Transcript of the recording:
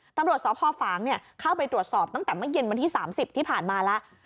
ตำรวจสพฝางเข้าไปตรวจสอบตั้งแต่เมื่อเย็นวันที่๓๐ที่ผ่านมาแล้ว